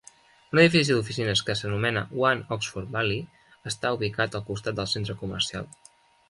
Un edifici d'oficines que s'anomena One Oxford Valley està ubicat al costat del centre comercial.